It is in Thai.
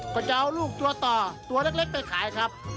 ก็จะเอาลูกตัวต่อตัวเล็กไปขายครับ